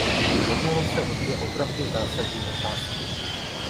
Jednalo se o dvě opravdu zásadní otázky.